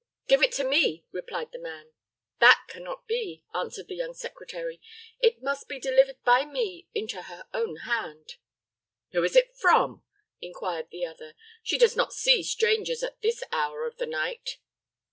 "Give it to me," replied the man. "That can not be," answered the young secretary. "It must be delivered by me into her own hand." "Who is it from?" inquired the other. "She does not see strangers at this hour of the night."